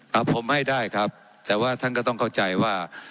เอาผมให้ได้ครับแต่ว่าท่านก็ต้องเข้าใจว่า